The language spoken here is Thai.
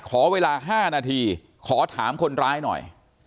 ขอเวลา๕นาทีขอถามคนร้ายหน่อย